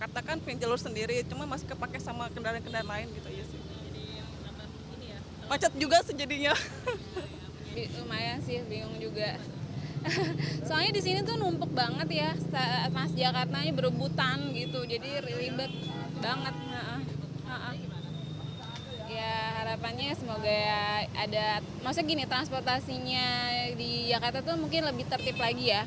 harapannya semoga ada maksudnya transportasinya di jakarta itu mungkin lebih tertip lagi ya